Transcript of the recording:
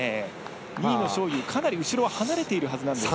２位の章勇、かなり後ろが離れているはずなんですが。